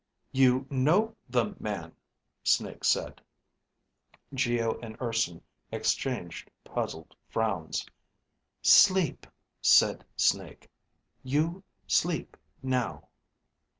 You ... know ... the ... man, Snake said. Geo and Urson exchanged puzzled frowns. Sleep, said Snake. _You ... sleep ... now.